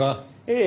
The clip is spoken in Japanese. ええ。